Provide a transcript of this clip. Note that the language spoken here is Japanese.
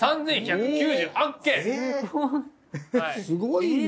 すごい。